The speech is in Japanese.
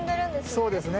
そうですね。